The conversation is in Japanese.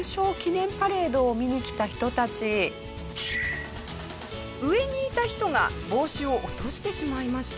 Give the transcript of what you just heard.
メジャーリーグ上にいた人が帽子を落としてしまいました。